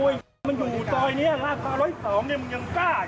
เจอลูกหลานเราทำยังไง